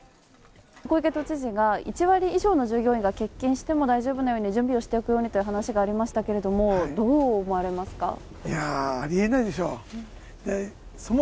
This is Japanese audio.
小池都知事知事が１割以上の従業員が欠勤しても大丈夫なように準備をしておくようにという話がありましたけれども、どう思われますか？